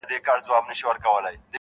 تا خو د کونړ د یکه زار کیسې لیکلي دي-